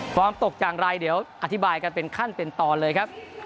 ตกอย่างไรเดี๋ยวอธิบายกันเป็นขั้นเป็นตอนเลยครับ